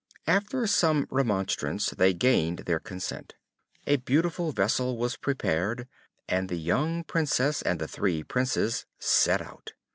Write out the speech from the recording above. After some remonstrance they gained their consent. A beautiful vessel was prepared, and the young Princess and the three Princes set out.